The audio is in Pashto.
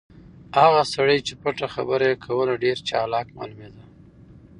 هغه سړی چې پټه خبره یې کوله ډېر چالاک معلومېده.